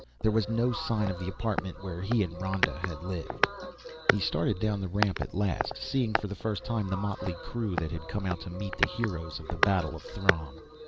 There was no sign of the apartment where he and Ronda had lived. He started down the ramp at last, seeing for the first time the motley crew that had come out to meet the heroes of the battle of Throm.